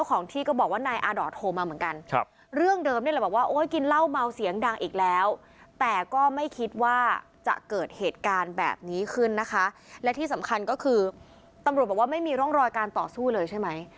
ก็คือตำรวจบอกว่าไม่มีร่องรอยการต่อสู้เลยใช่ไหม